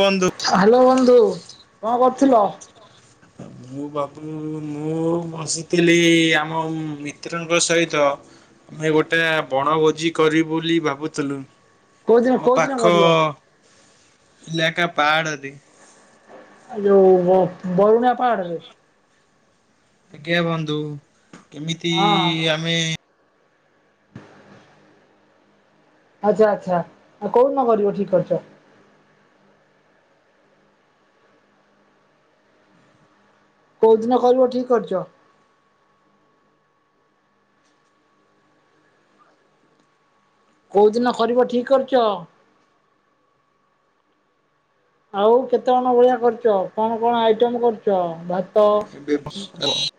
କୁହନ୍ତୁ? ହାଲୋ ବନ୍ଧୁ କଣ କରୁଥିଲ? ମୁଁ ବାବୁ ମୁଁ ବସିଥିଲି ଆମ ମିତ୍ରଙ୍କ ସହିତ। ଆମେ ଗୋଟେ ବଣଭୋଜି କରିବୁ ବୋଲି ଭାବୁଥିଲୁ। କୋଉଦିନ ଆମ କୋଉଦିନ ପାଖ କରିବ? ଇଲାକା ପାଆଡରେ। ଆ ଯେଉ ବାଉଣା ପାହାଡ଼ରେ? ଆଜ୍ଞା ବନ୍ଧୁ ଏମିତି ହଁ ଆମେ ଆଚ୍ଛା ଆଚ୍ଛା ଆଉ କୋଉଦିନ କରିବ ଠିକ କରିଛ? କଉଁଦିନ କରିବ ଠିକ୍ କରିଛ? କୋଉ ଦିନ କରିବ ଠିକ କରିଛ? ଆଉ କେତେ କଣ ଭଳିଆ କରୁଛ କଣ କଣ ଆଇଟମ କରୁଛ? ଭା ବେ [unintelligible]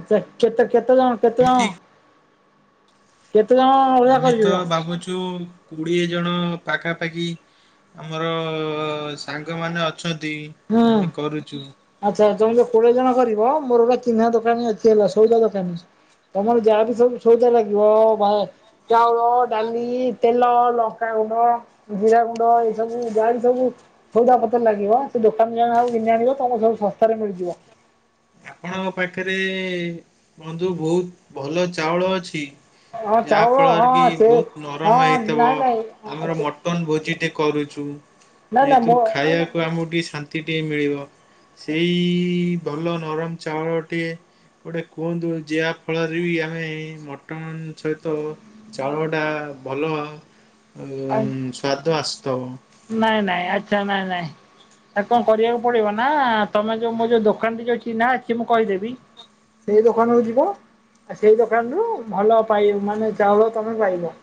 ଆଛା କେତେ କେତେ ଜଣ କେତେ ଜଣ? କେତେ ଜଣ ଭଳିଆ ଆମେ ତ କରିବ? ଭାବୁଚୁ କୋଡ଼ିଏ ଜଣ ପାଖାପାଖି ଆମର ସାଙ୍ଗମାନେ ଅଛନ୍ତି। ହୁଁ। ଆମେ କରୁଛୁ ଆଚ୍ଛା ତମେ ଯୋଉ କୋଡିଏ ଜଣ କରିବ ମୋର ଗୋଟେ ଚିହ୍ନା ଦୋକାନୀ ଅଛି ହେଲା ସଉଦା ଦୋକାନୀ। ତମର ଯାହା ବିି ସବୁ ସଉଦା ଲାଗିବ ଭା ଚାଉଳ ଡାଲି ତେଲ ଲଙ୍କାଗୁଣ୍ଡ ଜିରା ଗୁଣ୍ଡ ଏ ସବୁ ଜାହା ବି ସବୁ ସଉଦା ପତ୍ର ଲାଗିବ ସେ ଦୋକାନ ଯା ସବୁ [unintelligible] ତମକୁ ସବୁ ଶସ୍ତାରେ ମିଳିଯିବ। ଆପଣଙ୍କ ପାଖରେ ବନ୍ଧୁ ବହୁତ ଭଲ ଚାଉଳ ଅଛି? ହଁ ଯାହା ଚାଉଳ ଫଳରେ କି ହଁ ସେ ବହୁତ ହଁ ନରମ ହେଇଥିବ ନାଇଁ ନାଇଁ ଆମର ଆଚ୍ଛା ମ ଟନ ଭୋଜି ଟେ କରୁଛୁ ନାଇଁ ନାଇଁ ଯେହତୁ ମୋ ଖାଇବା ଆମକୁ ଟିକେ ଶାନ୍ତି ଟିକେ ମିଳିବ ସେଇ ଭଲ ନରମ ଚାଉଳଟିଏ ଗୋଟେ କୁହନ୍ତୁ ଯାହା ଫଳରେ ବି ଆମେ ମଟନ ସହିତ ଚାଉଳ ଟା ଭଲ ଉ ସ୍ଵାଦ ଆସୁଥିବ। ନାଇଁ ନାଇଁ ଆଛା ନାଇଁ ନାଇଁ। ଆ କଣ କରିବାକୁ ପଡିବ ନା ତମେ ଯୋଉ ମୋ ଯୋଉ ଦୋକାନ ରେ ଯୋଉ ଚିହ୍ନା ଅଛି ମୁଁ କହିଦେବି। ସେଇ ଦୋକାନକୁ ଯିବ। ଆ ସେଇ ଦୋକାନରୁୁ ଭଲ ପାଇ ମାନେ ଚାଉଳ ତମେ ପାଇବ।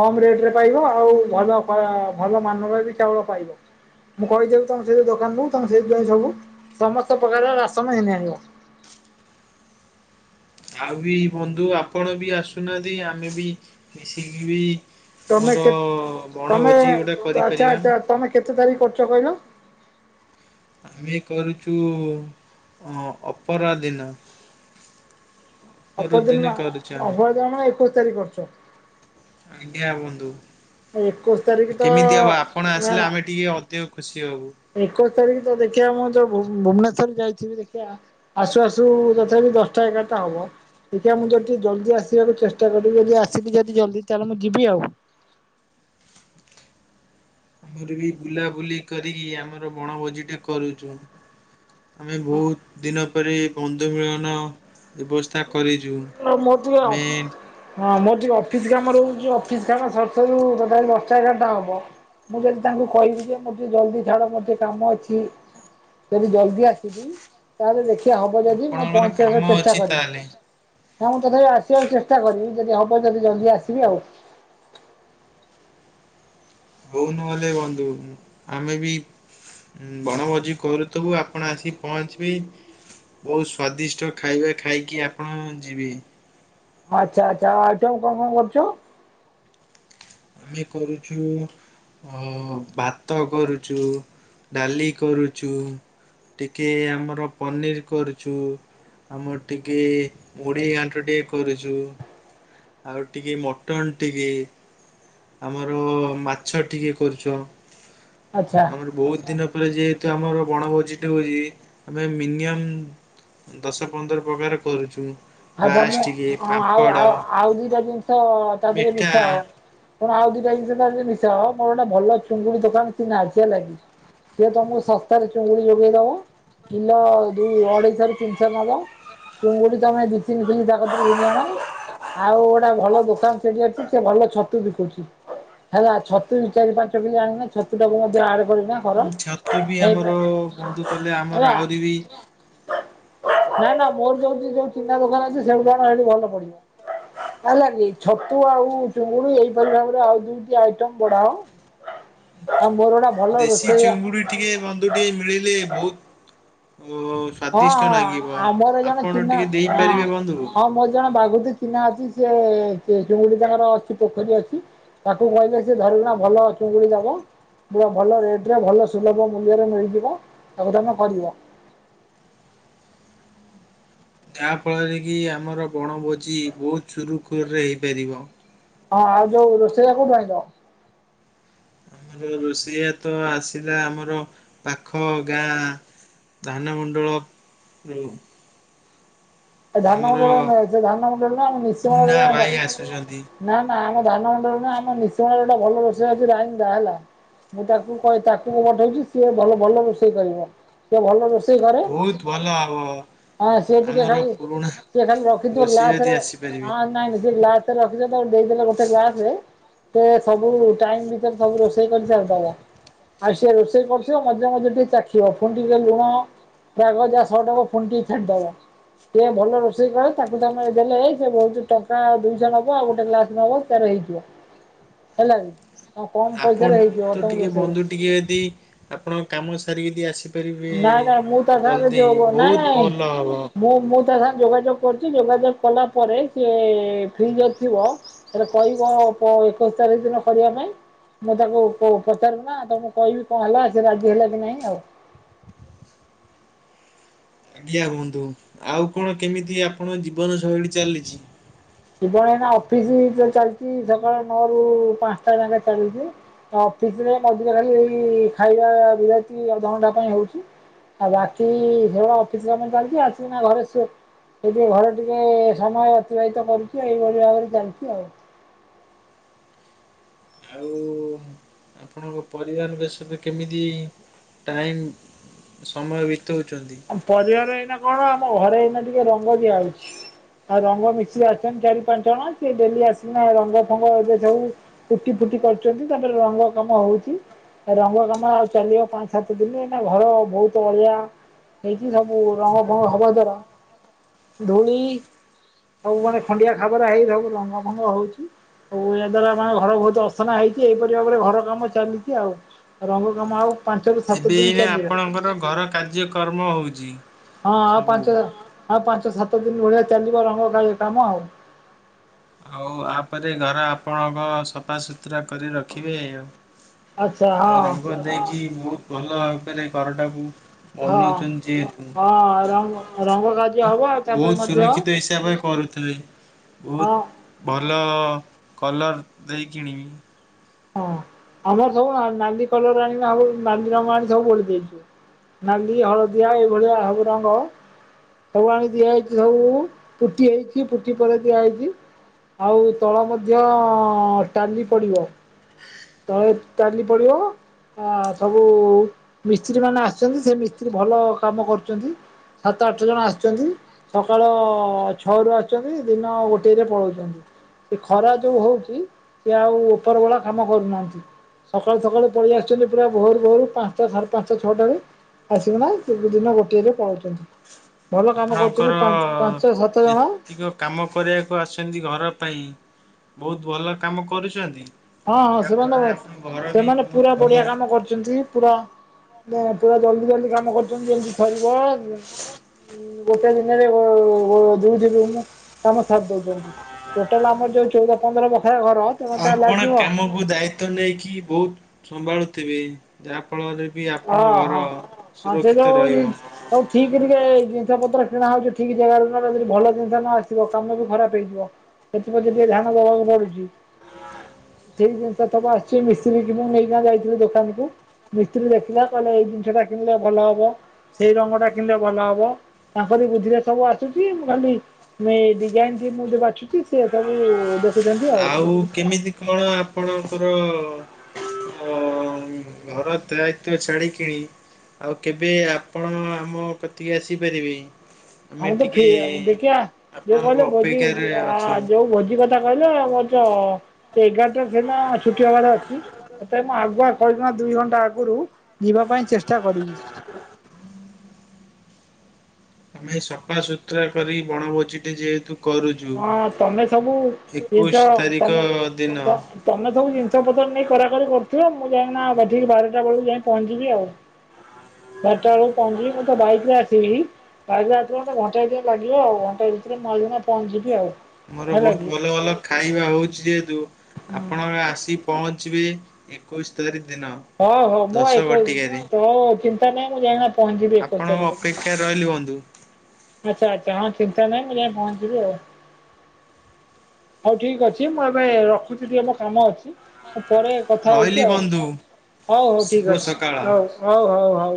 କମ୍ ରେଟ୍ ରେ ପାଇବ ଆଉ ଭଲ- ଭଲ ମାନ ରେ ବି ଚାଉଳ ପାଇବ। ମୁଁ କହିଦେବି ତମ ସେଇ ଦୋକାନକୁୁ ତମେ ସେଇଠୁ ଯାଇ ସବୁ ସମସ୍ତ ପ୍ରକାର ରାସନ ଘିନି ଆଣିବ। ଆଉ ବି ବନ୍ଧୁ ଆପଣ ବି ଆସୁନାହାନ୍ତି ଆମେ ବି ମିଶିକି ବି ତମେ ଆମର କେ ତମେ ବଣଭୋଜି ଗୋଟେ ଆଚ୍ଛା କରିପାରିବା। ଆଚ୍ଛା ତମେ କେତେ ତାରିଖ୍ କରୁଚ କହିଲ? ଆମେ କରୁଚୁ ଅ- ଅପରାଦିନ। କରୁଛୁ ଆମେ। ଅପରଦିନି-ଅପରଦିନି ମାନେ ଏକୋଇଶି ତାରିଖ୍ କରୁଚ? ଆଜ୍ଞା ବନ୍ଧୁ ଏକୋଇଶ ତାରିଖ ତ କେମିତି ହବ ଆପଣ ଆସିଲେ ଆମେ ଟିକେ ଅଧିକ ଖୁସି ହବୁ। ଏକୋଇଶି ତାରିଖ୍ ତ ଦେଖିବା ମୁଁ ଯଉ ଭୁ-ଭୁବନେଶ୍ଵରରେ ଯାଇଥିବି ଦେଖିବା। ଆସୁ ଆସୁ ତଥାପି ଦଶଟା ଏଗାର୍ ଟା ହବ। ଦେଖିଆ ମୁଁ ଯଦି ଜଲ୍ଦି ଆସିବାକୁ ଚେଷ୍ଟା କରିବି ଯଦି ଆସିଥିବି ଜଲ୍ଦି ତାହେଲେ ମୁଁ ଯିବି ଆଉ। ଆମର ବି ବୁଲାବୁଲି କରିକି ଆମର ବଣଭୋଜି ଟେ କରୁଚୁ। ଆମେ ବହୁତ୍ ଦିନ ପରେ ବନ୍ଧୁ ମିଳନ ବ୍ୟବସ୍ଥା କରିଚୁ। [unintelligible] ହଁ ମୋର ଟିକେ ଅଫିସ୍ କାମ ରହୁଚି ଅଫିସ କାମ ସରୁ ସରୁ ଦଶଟା ଏଗାର୍ ଟା ହବ। ମୁଁ ଯଦି ତାଙ୍କୁ କହିବି ଯେ ମୋତେ ଜଲ୍ଦି ଛାଡ଼ ମୋର ଟିକେ ମୋର ଟିକେ କାମ ଅଛି। ଯଦି ଜଲ୍ଦି ଆସିବି ତାହେଲେ ଦେଖିବା ହବ ଯଦି ମୁଁ ଆପଣଙ୍କର କାମ ପହଞ୍ଚିବାକୁ ଚେଷ୍ଟା ଅଛି କରିିବି। ତାହେଲେ ହଁ ମୁଁ ତଥାପି ଆସିବାକୁ ଚେଷ୍ଟା କରିବି ଯଦି ହବ ଯଦି ଜଲ୍ଦି ଆସିବି ଆଉ। ହଉ ନହେଲେ ବନ୍ଧୁ ଆମେ ବି ବଣଭୋଜି କରୁଥିବୁ ଆପଣ ଆସିକି ପହଞ୍ଚିବେ ବହୁତ୍ ସ୍ଵାଦିଷ୍ଟ ଖାଇବା ଖାଇକି ଆପଣ ଯିବେ। ହ ଆଚ୍ଛା ଆଚ୍ଛା ଆଉ ଆଇଟମ୍ କଣ କଣ କରୁଚ? ଆମେ କରୁଚୁ ଅ-ଭାତ କରୁଚୁ ଡାଲି କରୁଚୁ ଟିକେ ଆମର ପନିର୍ କରୁଚୁ। ଆମର ଟିକେ ମୁଢି ଘାଣ୍ଟ ଟିକେ କରୁଚୁ। ଆଉ ଟିକେ ମଟନ୍ ଟିକେ। ଆମର ମାଛ ଟିକେ କରୁଚ ଆଚ୍ଛା ଆମର ବହୁତ୍ ଦିନ ପରେ ଯେହେ ତୁ ଆମର ବଣଭୋଜି ଟେ ହଉଚି ଆମେ ମିନିୟମ୍ ଦଶ ପନ୍ଦର ପ୍ରକାର କରୁଚୁ। ଆଛା ମୁଁ- ହଁ ଆଉ ଆଉ- ଆଉ -ଆଉ ଦି ଟା ଜିନିଷ ତା ଦେହରେ ମିଠା ମିଶାହବ। କଣ ଆଉ [unintelligible] ଭଲ ଚୁଙ୍ଗୁଡି ଦୋକାନ ଚିହ୍ନା [unintelligible] ସିଏ ତମକୁ ଶସ୍ତାରେ ଚୁଙ୍ଗୁଡି ଯୋଗେଇ ଦବ। କିଲ ଦୁଇ ଅଢେଇଶ ରୁ ତିନିଶ ନବ ଚୁଙ୍ଗୁଡି ତମେ ଦି [unintelligible] ଆଉ ଗୋଟେ ଭଲ ଦୋକାନ ସେଠି ଅଛି ସେ ଭଲ ଛତୁ ବିକୁଚି। ହେଲା ଛତୁ ବି ଚାରି ପାଞ୍ଚ କିଲି ଆଣିଲେ ଛତୁ ଟାକୁ ମଧ୍ୟ ଆଡ୍ ଛତୁ [unintelligible] ବି ଆମର ହେଇପାରେ ବନ୍ଧୁ କଲେ ଆମର ହେଲା। ଆହୁରି ବି ନାଇ ନା ମୋର ଯଉ ଯଉ ଚିହ୍ନା ଦୋକାନ ଅଛି ସେଉଠୁ ଆଣ ହେଇଠୁ ଭଲ ପଡିବ। ହେଲା କିି ଛତୁ ଆଉ ଚିଙ୍ଗୁଡି ଏଇପରି ଭାବରେ ଆଉ ଦୁଇଟି ଆଇଟମ୍ ବଢାଅ। [unintelligible] ଦେଶୀ ରୋଷେଇଆ ଚିଙ୍ଗୁଡି ଟିକେ ବନ୍ଧୁ ଟିକେ ମିଳିଲେ ବହୁତ୍ ଅ- ହଁ- ହଁ ଆମର ଜଣେ ଚିହ୍ନା ଦେଇପାରିବେ ବନ୍ଧୁ? ଆ-ହଁ- ମୋର ଜଣେ [unintelligible] ଚିହ୍ନା ଅଛି ସେ ସେ ଜଉ ଗାଜାର ଅଛି ପୋଖରୀ ଅଛି। ତାକୁ କହିଲେ ସେ ଧରିକିନା ଭଲ ଚୁଙ୍ଗୁଡି ଦବ। ପୁରା ଭଲ ରେଟରେ ଭଲ ସୁଲଭ ମୂଲ୍ୟରେ ମିଳିଯିବ, ତାକୁ ତମେ କରିବ। ଯାହା ଫଳରେ କି ଆମର ବଣଭୋଜି ବହୁତ ସୁରୁଖୁରୁରେ ହେଇପାରିବ। ହଁ ଆଉ ଯୋଉ ରୋଷେଇଆ କୋଉଠି ଆଣିଛ? ଆମର ରୋଷେଇଆ ତ ଆସିଲା ଆମର ପାଖ ଗାଁ ଧାନମଣ୍ଡଳ ରୁ ଏ ଧାନମୁଣ୍ଡଳ ନୁହେଁ ସେ ଧାନମୁଣ୍ଡଳ ନା ଆମ ନିଶିମଳା ମୁନା ର ଆଗ ଭାଇ ଆସୁଛନ୍ତି। ନା ନା ଆମ ଧାନମୁଣ୍ଡଳରେ ନା ଆମ ନିଶିମଳାରେ ଗୋଟେ ଭଲ ରୋଷେଇଆ ଅଛି, ରାଇନଦା ହେଲା। ମୁଁ ତାକୁ କହି ତାକୁ ମୁଁ ପଠେଇଛି ସିଏ ଭଲ ଭଲ ରୋଷେଇ କରିବ। ସିଏ ଭଲ ରୋଷେଇ କରେ, ବହୁତ ଭଲ ହଁ ସିଏ ଟିକେ ଖାଲି ପୁଣାହା ଖାଲି ରଖିଥିବ ଗ୍ଲାସ ରେ ହ ନାଇଁ ସେ ଗ୍ଲାସ ରେ ରଖିଛ ଦେଇଦେଲେ ଗୋଟେ ଗ୍ଲାସରେ ସେ ସବୁ ଟାଇମ ଭିତରେ ସବୁ ରୋଷେଇ କରି ସାରିଦବ। ଆଉ ସିଏ ରୋଷେଇ କରୁଥିବ ମଝିରେ ମଝିରେ ଟିକେ ଚାଖିବ, ଫୁଣିଟିକିଏ ଲୁଣ ପଜା ଶହ ଟା ପ ଫୁଣି ଟ ଫେଦେଲା [unintelligible] ଟିକେ ଭଲ ରୋଷେଇ କରେ ତାକୁ ତମେ ଦେଲେ ସେ ବହୁତ ଟଙ୍କା ଦୁଇଶହ ନେବ ଆଉ ଗୋଟେ ଗ୍ଲାସ୍ ନବ ତାରେ ହେଇଯିବ ହେଲା ବି ହ କମ ଆପଣ ପଇସ ରେ ହେଇଯିବ ତ ତମ ଟିକେ ରୋଷେଇ ବନ୍ଧୁ ଟିକେ ଯଦି ଆପଣ କାମ ସାରିକି ଯଦ ଆସି ପାରିବେ ନାଇଁ ନାଇଁ ମୁଁ ତା ସାଙ୍ଗରେ ଜଲଦି, ଯୋଉ ନାଇଁ ବହୁତ ନାଇଁ ଭଲ ହବ। ମୁଁ ମୁଁ ତା ସାଙ୍ଗରେ ଯୋଗାଯୋଗ କରୁଛି, ଯୋଗାଯୋଗ କଲା ପରେ, ସେ ଫ୍ରି ଯଦି ଥିବ ହେଲେ କହିବ କଁ ଏକୋଇଶି ତାରିଖ ଦିନ କରିବା ପାଇଁ ମୁଁ ତାକୁ ପ ପଚାରିକିନା ତମକୁ କହିବି, କଣ ହେଲା ସେ ରାଜି ହେଲା କି ନାହିଁ ଆଉ ଆଜ୍ଞା ହୁଅନ୍ତୁ, ଆଉ କଣ କେମିତି ଆପଣଙ୍କ ଜୀବନ ଶୈଳୀ ଚାଲିଛି? ଜୀବନ ଏଇନା ଅଫିସ ଚାଲିଛି ସକାଳ ନଅ ରୁ ପାଞ୍ଚଟା ଯାକେ ଚାଲିଛି। ଅଫିସରେ ମଝିରେ ଖାଲି ଏଇ ଖାଇବା ନିହାତି ଅଧ ଘଣ୍ଟା ପାଇଁ ହଉଛି। ଆଉ ବାକି ଝ ଅଫିସ କାମ ଚାଲିଛି ଆସିବ ନା ଘରେ ସୋ ସେ ଟିକେ ଘରେ ଟିକେ ସମୟ ଅତିବାହିତ କରୁଛି, ଏଇଭଳି ଭାବରେ ଚାଲିଛି ଆଉ ଆଉ ଆପଣଙ୍କ ପରିବାର ବେଶରେ କେମିତି ଟାଇମ୍ ସମୟ ବିତୋଉଚନ୍ତି। ପରିବାର ଏଇନା କଣ, ଆମ ଘରେ ଏଇନା ଟିକେ ରଙ୍ଗ ଦିଆ ହେଉଛି। ଆଉ ରଙ୍ଗ ମିଶିକି ଆଶିଛନ୍ତି ଚାରି ପାଞ୍ଚ ଜଣ, ସେ ଡେଲି ଆସିକିନା ରଙ୍ଗ ଫଙ୍ଗ ଏବେ ସବୁ ହଉ ଫୁଟି ଫୁଟି କରୁଛନ୍ତି, ତାପରେ ରଙ୍ଗ କାମ ହଉଛି। ରଙ୍ଗ କାମ ଆଉ ଚାଲିବ ପାଞ୍ଚ ସାତ ଦିନ, ଏଇନା ଘର ବହୁତ ଅଳିଆ ହେଇକି ସବୁ ରଙ୍ଗ ଭଙ୍ଗ ହବ ଦ୍ଵାରା ଧୂଳି ସବୁ ମାନେ ଖଣ୍ଡିଆ ଖାବରା ହେଇ ସବୁ ରଙ୍ଗ ଫଙ୍ଗ ହଉଛି। ଓ ଏହା ଦ୍ଵାରା ଆମ ଘର ବହୁତ ଅସନା ହେଇଛି, ଏଇପରି ଭାବରେ ଘର କାମ ଚାଲିଛି ଆଉ ରଙ୍ଗ କାମ ଆଉ ପାଞ୍ଚରୁ ସାତ ଏବେ ଦିନ ଏଇନା ଚାଲିବ। ଆପଣଙ୍କର ଘର କାର୍ଯ୍ୟକମ ହଉଛି। ହଁ ଆଉ ସବୁ। ପାଞ୍ଚ ଆଉ ପାଞ୍ଚ ସାତ ଦିନ ଭଳିଆ ଚାଲିବ ରଙ୍ଗ କାଳି କାମ ଆଉ ତାପରେ ଘର ଆପଣଙ୍କ ସଫାସୁତୁରା କରି ରଖିବେ ଆଉ। ଆଚ୍ଛା ଆଉ ହଁ ରଙ୍ଗ ଦେଇକି ବହୁତ ଭଲ ଭାବରେ ଘରଟାକୁ ହଁ ଅନୋଉଛନ୍ତି ଯେହେତୁ ହଁ ରଙ୍ଗ ରଙ୍ଗ କାର୍ଯ୍ୟ ହବ ଆଉ ତାପରେ ବହୁତ ମଧ୍ୟ ହଁ ସୁରକ୍ଷିତ ହିସାବରେ କରୁଥି ତବେ ହଁ। ବହୁତ ଭଲ କଲର୍ ଦେଇ କିଣିବି ହଁ ଆମର ସବୁ ନାଲି କଲର ଆଣି ଆଉ ନାଲି ରଙ୍ଗ ଆଣି ସବୁ ବୋଳିଦେଇଛୁ। ନାଲି ହଳଦିଆ ଏଇଭଳିଆ ସବୁ ରଙ୍ଗ। ସବୁ ଆଣି ଦିଆଯାଇଛି ସବୁ ପୁଟି ହେଇଛି ପୁଟି ପରେ ଦିଆହେଇଛି। ଆଉ ତଳ ମଧ୍ୟ ଟାଲି ପଡିବ। ତଳେ ଟାଲି ପଡିବ। ଆ ସବୁ ମିସ୍ତ୍ରୀ ମାନେ ଆସିଛନ୍ତି ସେ ମିସ୍ତ୍ରୀ ଭଲ କାମ କରୁଛନ୍ତି। ସାତ ଆଠ ଜଣ ଆସିଛନ୍ତି। ସକାଳ ଛଅରୁୁ ଆସୁଛନ୍ତି ଦିନ ଗୋଟିଏରେ ପଳଉଛନ୍ତି। ସେ ଖରା ଯୋଉ ହଉଛି ସେ ଆଉ ଉପର ବେଳା କାମ କରୁନାହାନ୍ତି। ସକାଳୁ ସକାଳୁ ପଳେଇ ଆସୁଛନ୍ତି ପୁରା ଭୋରୁ ଭୋରୁ ପାଞ୍ଚଟା ସାଢ଼େ ପାଞ୍ଚଟା ଛଅଟାରୁ। ଆସିକିନା ଦିନ ଗୋଟିଏରେ ପଳଉଛନ୍ତି। ଭଲ କାମ ଆପଣଙ୍କର କରୁଛନ୍ତି ପାଞ୍ଚ ସାତ ଜଣ। ଯେତିକ କାମ କରିବାକୁ ଆସଛନ୍ତି ଘର ପାଇଁ ବହୁତ ଭଲ କାମ କରୁଛନ୍ତି। ହଁ ହଁ ସେମାନେ ଯାହାଫଳରେ ତ ଆପଣଙ୍କ ଘର ବି ସେମାନେ ବହୁତ ପୁରା ଭଲ ବଢିଆ କାମ କରୁଛନ୍ତି ପୁରା। ନା ପୁରା ଜଲଦି ଜଲଦି କାମ କରୁଛନ୍ତି ଯେମତି ସରିବ। ଗୋଟେ ଦିନରେ ଦୁଇ ରୁମ୍ କାମ ସାରି ଦଉଛନ୍ତି। ଟୋଟାଲ ଆମର ଯୋଉ ଚଉଦ ପନ୍ଦର ବଖରା ଘର। ତେଣୁ ତା ଆପଣ ଲାଗିବ କାମକୁ ଦାୟିତ ନେଇକି ବହୁତ ସମ୍ଭାଳୁଥିବେ ଯାହା ଫଳରେ ବି ହଁ ଆପଣଙ୍କ ହଁ। ଘର ହଁ ସେ ଯୋଉ ସୁରକ୍ଷିତ ରହିବ। ସବୁ ଠିକ ଟିକେ ଜିନିଷ ପତ୍ର କିଣା ହଉଛି ଠିକ ଜାଗାରୁ ଯଦି ଭଲ ଜିନିଷ ନ ଆସିବ କାମ ବି ଖରାପ ହେଇଯିବ। ସେଥିପ୍ରତି ଟିକେ ଧ୍ୟାନ ଦବାକୁ ପଡୁଛି। ସେଇ ଜିନିଷ ସବୁ ଆସିଛି ମିସ୍ତ୍ରୀ କି ମୁଁ ନେଇକ ଯାଇଥିଲି ଦୋକାନ କୁ। ମିସ୍ତ୍ରୀ ଦେଖିଲା କହିଲେ ଏଇ ଜିନିଷଟା କିଣିଲେ ଭଲ ହବ ସେଇ ରଙ୍ଗଟା କିଣିଲେ ଭଲ ହବ। ତାଙ୍କରି ବୁଦ୍ଧିରେ ସବୁ ଆସୁଛି ମୁ ଖାଲି ମୁ ଏଇ ଡିଜାଇନ ଟି ମୁଁ ଯ ବାଛୁଛି ସେ ସବୁ ଦେଖୁଛନ୍ତି ଆଉ। ଆଉ କେମିତି କଣ ଆପଣଙ୍କର ଘର ଦାୟିତଵ ଛାଡି କିଣି ଆଉ କେବେ ଆପଣ ଆମ କତିକି ଆସିପାରିବେ। ଆମେ ହମ ତ ଟିକେ ଠିକ ଦେଖିବା ଯୋଉ ଆପଣଙ୍କ କହିଲେ ଭୋଜି ଅପେକ୍ଷାରେ ଅଛୁ। ଯୋଉ ଭୋଜି କ କହିଲେ ଆମ ଜ ଏଗାରଟାରେ ସିନା ଛୁଟି ହବାର ଅଛି। ତଥାପି ମୁଁ ଆଗୁଆ କହି ଦୁଇ ଘଣ୍ଟା ଆଗରୁ ଯିବା ପାଇଁ ଚେଷ୍ଟା କରିବି। ଆମେ ସଫାସୁତୁରା କରି ବଣଭୋଜି ଟେ ଯେହେତୁ କରୁଛୁ ହଁ ତମେ ସବୁ ଏକୋଇଶ ଜିନିଷ ତାରିଖ ତମେ ଦିନ ତମେ ସବୁ ଜିନିଷତ୍ର ନେଇ କରାକରି କରୁଥିବ, ମୁଁ ଯାଇକିଁନା ଠିକ୍ ବାରଟା ବେଳକୁ ଯାଇ ପହଞ୍ଚିବି ଆଉ। ବାରଟା ବେଳକୁ ପହଞ୍ଚିବି, ମୁଁ ତ ବାଇକ ରେ ଆସିବି। [unintelligible] ଘଣ୍ଟା ଟେଇ ଲାଗିବ ଆଉ, ଘଣ୍ଟାଏ ଭିତରେ [unintelligible] ପହଞ୍ଚିଯିବି ଆଉ। ମୋର ହେଲା ବହୁତ କି ଭଲ ଭଲ ଖାଇବା ହଉଛି ଯେହେତୁ, ହୁଁ ଆପଣ ଆସି ପହଞ୍ଚିବେ ଏକୋଇଶ ତାରିଖ ଦିନ। ହଉ ହଉ, ମୁଁ ପା ଦଶ ଏକ ଘଟିକାରେ ମୁଁ ଏ ଚିନ୍ତା ନାହିଁ ମୁଁ ଯାଇକି ପହଞ୍ଚିବି ଏକୋଇଶି ତାରିଖ ଦିନ। ଆଜ୍ଞା ରହିଲି ବନ୍ଧୁ। ଆଚ୍ଛା ଆଚ୍ଛାଁ ହଁ ଚିନ୍ତା ନାହିଁ ମୁଁ ଯାଇ ପହଞ୍ଚିବି ଆଉ। ହଉ ଠିକ୍ ଅଛି ମୁଁ ଏବେ ରଖୁଛି ଟିକେ ମୋ କାମ ଅଛି। ପରେ କଥା ହଉଛି ରହିଲି ଆଉ। ବନ୍ଧୁ ହଉ ହଉ ଠିକ ଶୁଭ ଅଛି ସକାଳ। ହଉ ହଉ ହଉ ହଉ।